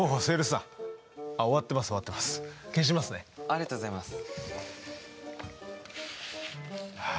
ありがとうございます。